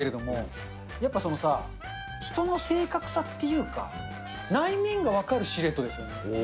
タッチは同じなんだけれども、やっぱそのさあ、人の性格さっていうか、内面が分かるシルエットですよね。